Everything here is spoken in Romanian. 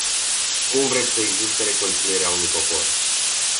Cum vreți să existe reconcilierea unui popor?